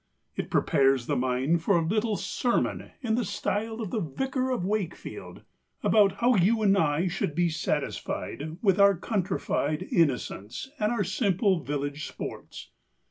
It prepares the mind for a little sermon in the style of the Vicar of Wakefield about how you and I should be satisfied with our countrified innocence and our simple village sports.